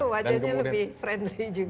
wajahnya lebih friendly juga